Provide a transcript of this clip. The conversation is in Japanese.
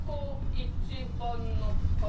１番の方。